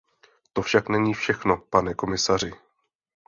To však není všechno, pane komisaři!